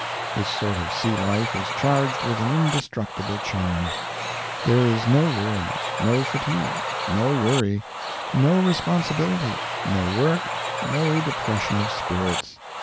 This sort of sea life is charged with an indestructible charm. There is no weariness, no fatigue, no worry, no responsibility, no work, no depression of spirits.